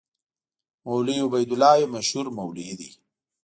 مولوي عبیدالله یو مشهور مولوي دی.